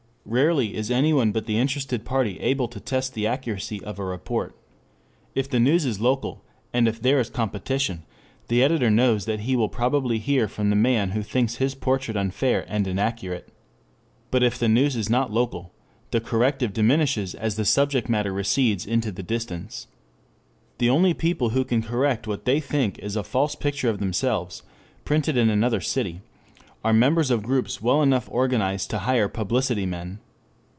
Rarely is anyone but the interested party able to test the accuracy of a report. If the news is local, and if there is competition, the editor knows that he will probably hear from the man who thinks his portrait unfair and inaccurate. But if the news is not local, the corrective diminishes as the subject matter recedes into the distance. The only people who can correct what they think is a false picture of themselves printed in another city are members of groups well enough organized to hire publicity men.